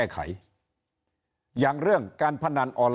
สวัสดีครับท่านผู้ชมครับสวัสดีครับท่านผู้ชมครับ